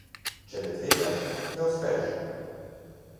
Če ne tvegaš, ne uspeš.